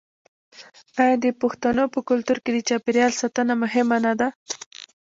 آیا د پښتنو په کلتور کې د چاپیریال ساتنه مهمه نه ده؟